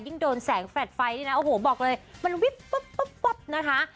ยิ่งโดนแสงแฟลต์ไฟนี่นะโอ้โหบอกเลยมันวิบป๊บป๊บป๊บนะคะ